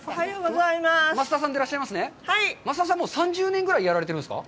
３０年ぐらいやられているんですか。